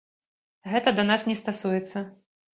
Гэта да нас не стасуецца.